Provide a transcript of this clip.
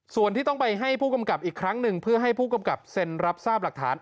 ส่วนที่ต้องไปให้ผู้กำกับอีกครั้งหนึ่งเพื่อให้ผู้กำกับเซ็นรับทราบหลักฐาน